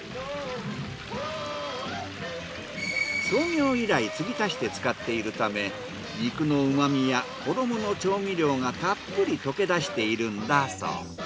創業以来継ぎ足して使っているため肉の旨みや衣の調味料がたっぷり溶け出しているんだそう。